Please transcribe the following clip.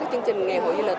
chương trình nghề hội du lịch